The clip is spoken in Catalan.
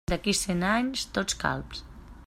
D'aquí a cents, anys tots calbs.